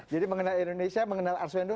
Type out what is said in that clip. jadi mengenal indonesia mengenal arswendo